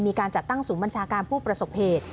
มีการจัดตั้งศูนย์บัญชาการผู้ประสบเหตุ